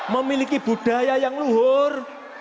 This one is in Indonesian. memiliki budaya yang luhur